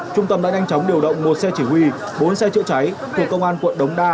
trung tâm đã nhanh chóng điều động một xe chỉ huy bốn xe chữa cháy thuộc công an quận đống đa